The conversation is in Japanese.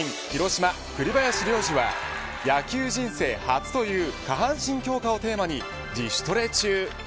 広島、栗林良吏は野球人生初という下半身強化をテーマに自主トレ中。